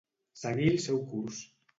Seguir el seu curs.